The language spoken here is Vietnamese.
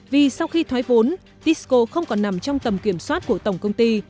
vì sau khi thoái vốn tisco không còn nằm trong tầm kiểm soát của tổng công ty